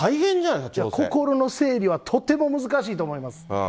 心の整理はとても難しいと思います。